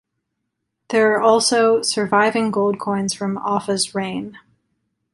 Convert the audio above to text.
There are also surviving gold coins from Offa's reign.